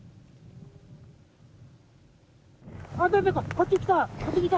こっち来た！